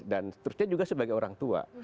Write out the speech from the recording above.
dan terusnya juga sebagai orang tua